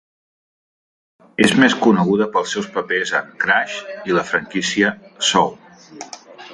És més coneguda pels seus papers en "Crash" i la franquícia "Saw".